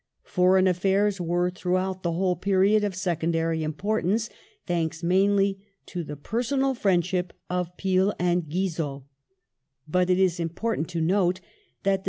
Foreign affair* were, throughout the whole ^^^^^0" period, of secondary importance, thanks mainly to the personal friendship of Peel and Guizot, but it is important to note that the